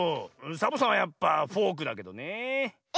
サボさんはやっぱフォークだけどねえ。